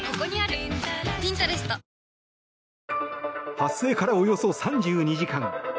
発生から、およそ３２時間。